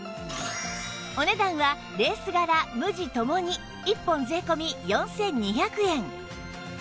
お値段はレース柄無地共に１本税込４２００円